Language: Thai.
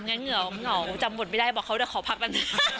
มันงั้นเหงื่อเหงาจำบทไม่ได้บอกเขาเดี๋ยวขอพักก่อน